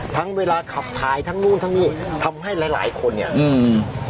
เวลาขับถ่ายทั้งนู่นทั้งนี่ทำให้หลายหลายคนเนี่ยอืม